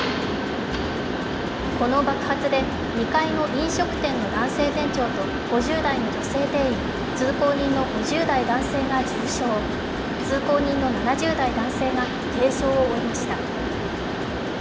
この爆発で２階の飲食店の男性店長と５０代の女性店員、通行人の５０代男性が重傷、通行人の７０代男性が軽傷を負いました。